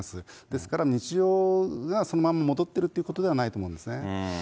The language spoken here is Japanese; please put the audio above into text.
ですから日常がそのまま戻っているということではないんですね。